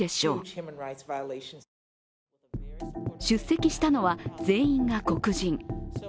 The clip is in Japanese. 出席したのは全員が黒人。